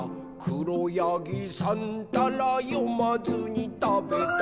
「しろやぎさんたらよまずにたべた」